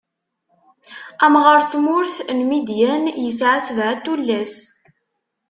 Amɣaṛ n tmurt n Midyan isɛa sebɛa n tullas.